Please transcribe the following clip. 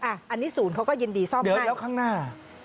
อันนี้ศูนย์เขาก็ยินดีซ่อมเดี๋ยวเลี้ยวข้างหน้า